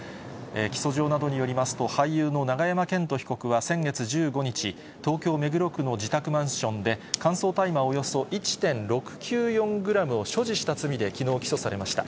起訴状などによりますと、俳優の永山絢斗被告は先月１５日、東京・目黒区の自宅マンションで、乾燥大麻およそ１．６９４グラムを所持した罪できのう、起訴されました。